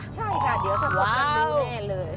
ใช่ค่ะเดี๋ยวจะพบรสชาติหนึ่งแน่เลย